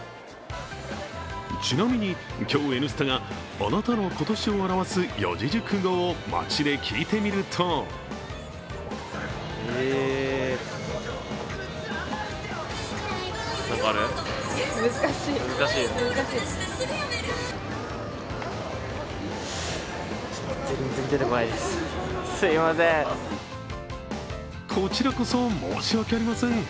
ちなみに、今日、「Ｎスタ」があなたの今年を表す四字熟語を街で聞いてみるとこちらこそ、申し訳ありません。